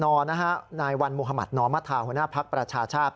เสร็จเมื่อวานนายวันนอมมธาหัวหน้าภาคประชาชาช